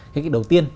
cái đầu tiên